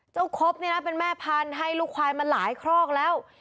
ครบเนี่ยนะเป็นแม่พันธุ์ให้ลูกควายมาหลายครอกแล้ว